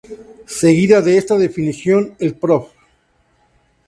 Seguida de esta definición el prof.